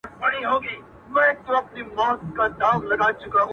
د گلو كر نه دى چي څوك يې پــټ كړي.